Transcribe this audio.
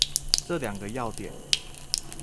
這兩個要點